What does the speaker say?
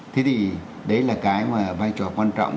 thế thì đấy là cái vai trò quan trọng